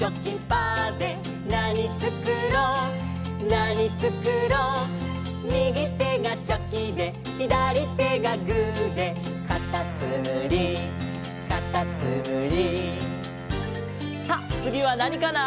「なにつくろうなにつくろう」「右手がチョキで左手がグーで」「かたつむりかたつむり」さあつぎはなにかな？